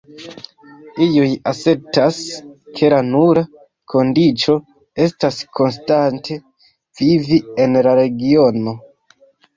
Iuj asertas ke la nura kondiĉo estas konstante vivi en la regiono.